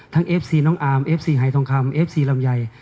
เอฟซีน้องอาร์มเอฟซีหายทองคำเอฟซีลำไย